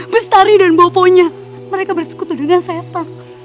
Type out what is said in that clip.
brett starry dan popo bersekutu dengan dasar j essassamu